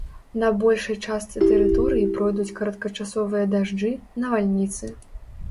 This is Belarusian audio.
На большай частцы тэрыторыі пройдуць кароткачасовыя дажджы, навальніцы.